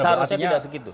seharusnya tidak segitu